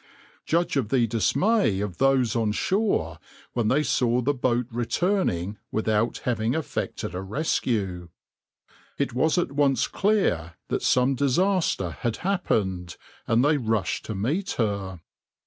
\par "Judge of the dismay of those on shore when they saw the boat returning without having effected a rescue. It was at once clear that some disaster had happened, and they rushed to meet her.